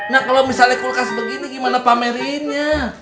nah kalau misalnya kulkas begini gimana pamerinnya